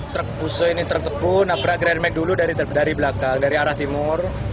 truk busur ini tertepu nabrak geran meg dulu dari belakang dari arah timur